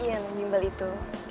iya bimbel itu